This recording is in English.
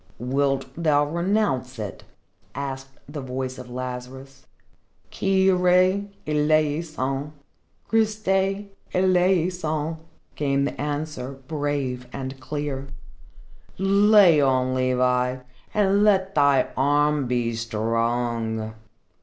"Wilt thou renounce it?" asked the voice of Lazarus. "Kyrie eleison, Christie eleison!" came the answer, brave and clear. "Lay on, Levi, and let thy arm be strong!"